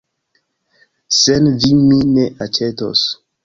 Sen vi mi ne aĉetos.